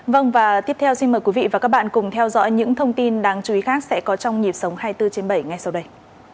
vâng và tiếp theo xin mời quý vị và các bạn cùng theo dõi những thông tin đáng chú ý khác sẽ có trong nhịp sống hai mươi bốn trên bảy ngay sau đây